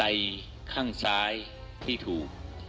ข้างซ้ายที่ถูก